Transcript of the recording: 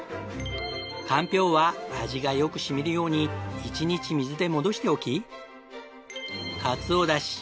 かんぴょうは味がよく染みるように一日水で戻しておき。